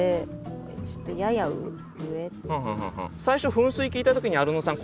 最初「噴水」聞いた時にアルノさん